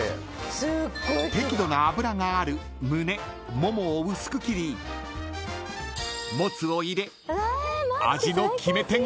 ［適度な脂があるムネモモを薄く切りモツを入れ味の決め手が］